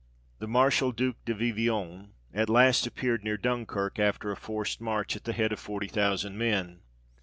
The Marshal Duke de Vivionne at last appeared near Dunkirk, after a forced march, at the head of forty thousand men.